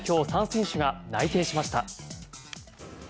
３選手が内定しました。